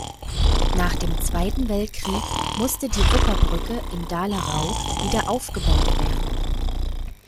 Nach dem Zweiten Weltkrieg musste die Wupperbrücke in Dahlerau wieder aufgebaut werden.